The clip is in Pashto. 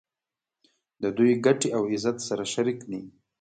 د دوی ګټې او عزت سره شریک دي.